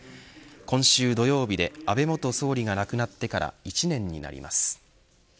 今週土曜日で安倍元総理が亡くなってから１年になります。